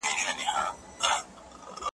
تندر غورځولی یمه څاڅکی د باران یمه `